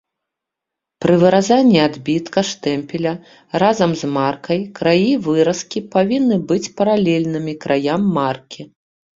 Пры выразанні адбітка штэмпеля разам з маркай краі выразкі павінны быць паралельнымі краям маркі.